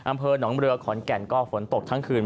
อำเภอหนองเรือขอนแก่นก็ฝนตกทั้งคืน